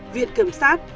viện kiểm sát